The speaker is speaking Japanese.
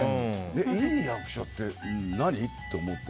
いい役者って何？と思って。